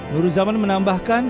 nuruz zaman menambahkan